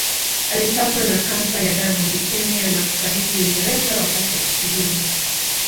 Alipatwa na kansa ya damu leukemia na kufariki Uingereza wakati wa kutibiwa